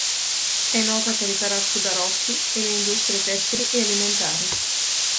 È nota per i palazzi barocchi e le industrie tessili e alimentari.